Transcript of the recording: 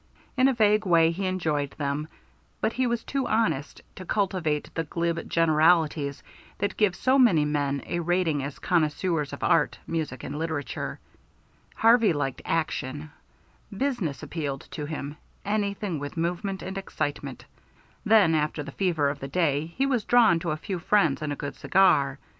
In a vague way he enjoyed them, but he was too honest to cultivate the glib generalities that give so many men a rating as connoisseurs of art, music, and literature. Harvey liked action. Business appealed to him, anything with motion and excitement; then, after the fever of the day, he was drawn to a few friends and a good cigar.